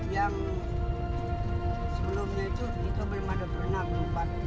yang sebelum itu itu belum ada pernah berupa keluar itu